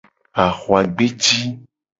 Ahuagbeji.